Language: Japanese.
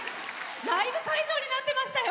ライブ会場になってましたよ！